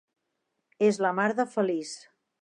És la mar de feliç.